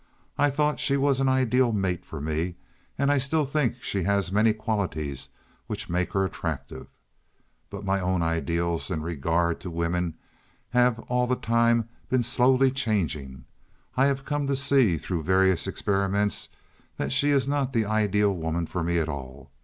I thought she was an ideal mate for me, and I still think she has many qualities which make her attractive. But my own ideals in regard to women have all the time been slowly changing. I have come to see, through various experiments, that she is not the ideal woman for me at all.